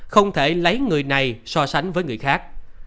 không thể lấy người này so sánh với người khác